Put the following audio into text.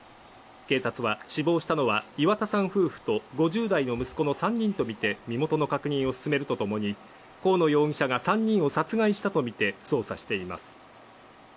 警察は死亡したのは岩田さん夫婦と５０代の息子の３人とみて身元の確認を進めるとともに河野容疑者が３人を殺害したとみて捜査しています。